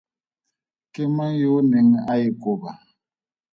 Ke mang yo o neng a e koba?